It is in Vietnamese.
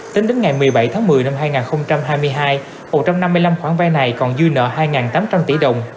tính đến ngày một mươi bảy tháng một mươi năm hai nghìn hai mươi hai một trăm năm mươi năm khoản vay này còn dư nợ hai tám trăm linh tỷ đồng